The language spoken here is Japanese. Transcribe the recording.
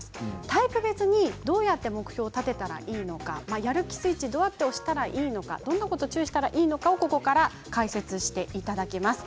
タイプ別にどうやって目標を立てたらいいのかやる気スイッチをどうやって押したらいいのかどんなことに注意したらいいのかここから解説していただきます。